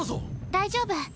大丈夫